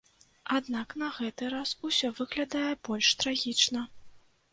Аднак на гэты раз усё выглядае больш трагічна.